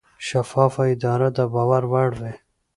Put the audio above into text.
شفافه اداره د باور وړ وي.